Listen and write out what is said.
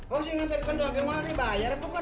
oh sih ngantarkan doang kemah dia bayar